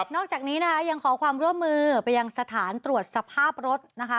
นอกจากนี้นะคะยังขอความร่วมมือไปยังสถานตรวจสภาพรถนะคะ